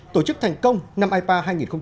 tổ chức thành công năm ipa hai nghìn hai mươi